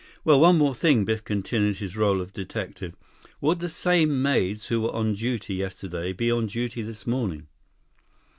"Well, one more thing." Biff continued his role of detective. "Would the same maids who were on duty yesterday be on duty this morning?"